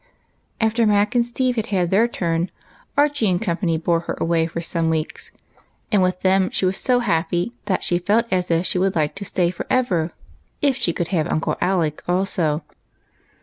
After Mac and Steve had had their turn, Archie and Company bore her away for some weeks ; and with them she was so happy, she felt as if she would like to stay for ever, if she could have Uncle Alec also.